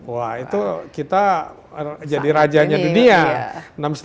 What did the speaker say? wah itu kita jadi rajanya dunia